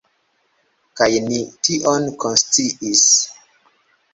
Kaj ni tion konsciis.